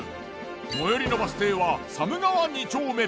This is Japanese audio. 最寄りのバス停は寒川二丁目。